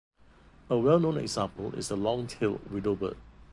A well-known example is the long-tailed widowbird.